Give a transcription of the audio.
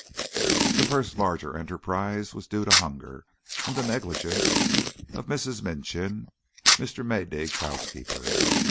Their first larger enterprise was due to hunger and the negligence of Mrs. Minchin, Mr. Maydig's housekeeper.